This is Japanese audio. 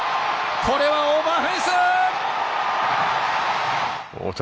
これはオーバーフェンス！